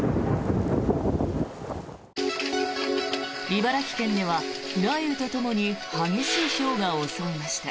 茨城県では雷雨とともに激しいひょうが襲いました。